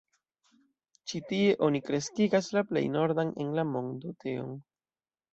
Ĉi tie oni kreskigas la plej nordan en la mondo teon.